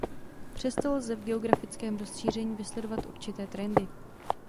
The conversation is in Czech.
Přesto lze v geografickém rozšíření vysledovat určité trendy.